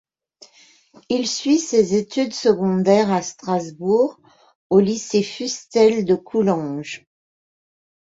Il suit ses études secondaires à Strasbourg, au lycée Fustel-de-Coulanges.